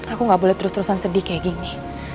aku gak boleh terus terusan sedih kayak gini